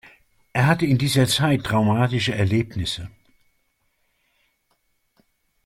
Er hatte in dieser Zeit traumatische Erlebnisse.